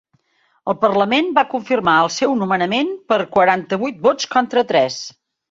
El parlament va confirmar el seu nomenament per quaranta-vuit vots contra tres.